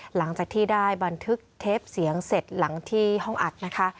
หลังจากที่ได้บันทึกเทปเสียงเสร็จหลังที่ห้องอัดนะคะ